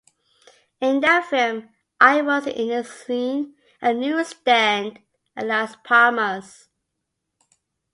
In that film, I was in the scene at the newsstand at Las Palmas.